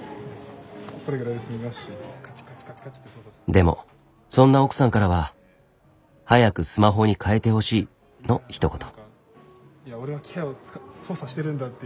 でもそんな奥さんからは「早くスマホに換えてほしい」のひと言。